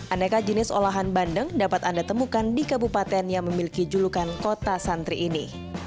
aneka jenis olahan bandeng dapat anda temukan di kabupaten yang memiliki julukan kota santri ini